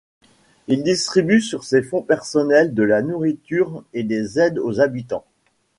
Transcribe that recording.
Il distribue sur ses fonds personnels de la nourriture et des aides aux habitants.